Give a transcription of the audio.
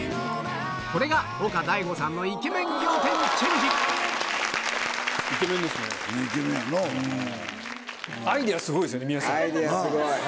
これが岡大悟さんのイケメン仰天チェンジイケメンですね。